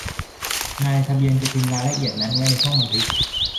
นายทะเบียนจะพิมพ์รายละเอียดนั้นไว้ในช่องบันทึก